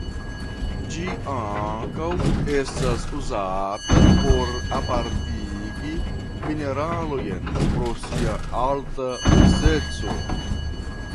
Ĝi ankaŭ estas uzata por apartigi mineralojn pro sia alta denseco.